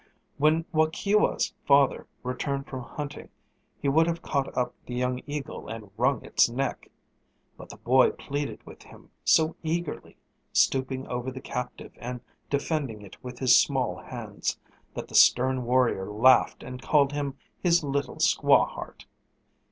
When Waukewa's father returned from hunting, he would have caught up the young eagle and wrung its neck. But the boy pleaded with him so eagerly, stooping over the captive and defending it with his small hands, that the stern warrior laughed and called him his "little squaw heart."